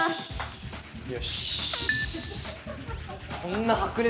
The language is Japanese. よし。